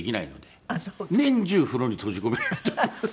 年中風呂に閉じ込められてます。